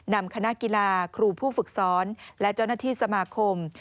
นำคณะกีฬาครูผู้ฝึกสอนและเจ้าหน้าที่สมาคม